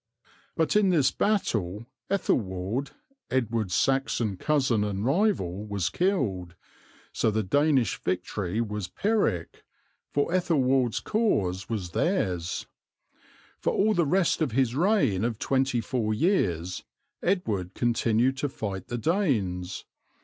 But in this battle Ethelwald, Edward's Saxon cousin and rival, was killed, so the Danish victory was Pyrrhic, for Ethelwald's cause was theirs. For all the rest of his reign of twenty four years Edward continued to fight the Danes.